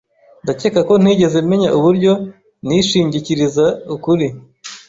Ndakeka ko ntigeze menya uburyo nishingikiriza ukuri.